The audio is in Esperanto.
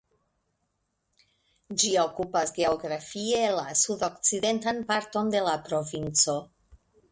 Ĝi okupas geografie la sudokcidentan parton de la provinco.